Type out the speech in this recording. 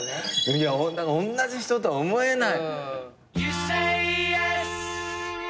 いやおんなじ人とは思えない。